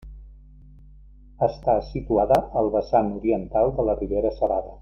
Està situada al vessant oriental de la Ribera Salada.